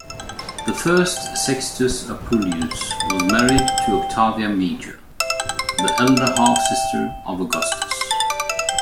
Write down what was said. The first Sextus Appuleius was married to Octavia Major, the elder half-sister of Augustus.